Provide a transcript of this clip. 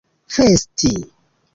festi